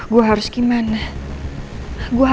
gue harus gimana